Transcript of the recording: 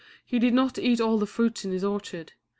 he did not eat all the fruits in his orchard.